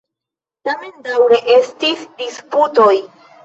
Tamen daŭre estis disputoj.